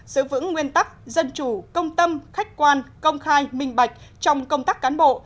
giữ vững nguyên tắc dân chủ công tâm khách quan công khai minh bạch trong công tác cán bộ